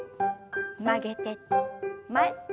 曲げて前。